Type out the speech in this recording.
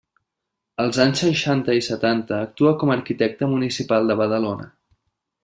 Als anys seixanta i setanta actua com arquitecte municipal de Badalona.